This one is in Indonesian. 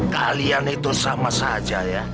kalian itu sama saja ya